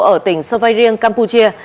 ở tỉnh sơ vây riêng campuchia